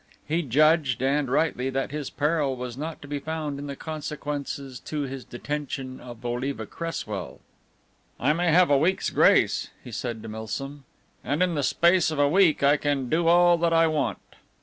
He judged (and rightly) that his peril was not to be found in the consequences to his detention of Oliva Cress well. "I may have a week's grace," he said to Milsom, "and in the space of a week I can do all that I want."